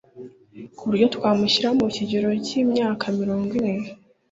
kuburyo twamushyira mukigero cyimyaka mirongo ine